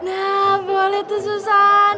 nah boleh tuh susan